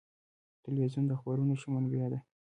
تلویزیون د خبرونو ښه منبع ده.